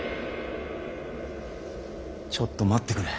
ちょっと待ってくれ。